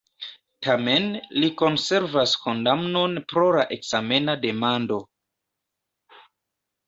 Tamen, li konservas kondamnon pro la ekzamena demando.